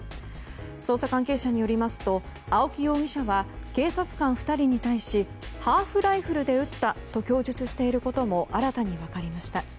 捜査関係者によりますと青木容疑者は警察官２人に対しハーフライフルで撃ったと供述していることも新たに分かりました。